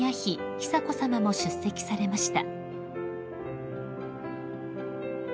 久子さまも出席されました］